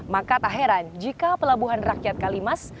maka tak heran jika pelabuhan rakyat kalimas